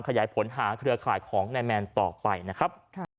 ขยายผลหาเครือข่ายของนายแมนต่อไปนะครับ